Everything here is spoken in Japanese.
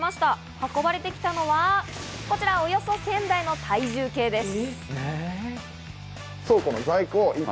運ばれてきたのは、およそ１０００台の体重計です。